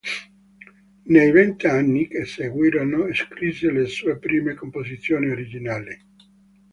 Nei vent'anni che seguirono scrisse le sue prime composizioni originali.